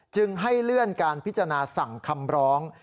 จึงให้เลื่อนการพิจารณาสั่งคำร้อง